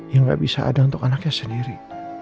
yang gak bisa ada untuk anaknya sendiri